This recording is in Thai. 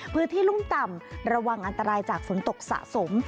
พื้นที่รุ่มต่ำระวังอันตรายจากฝนตกสะสม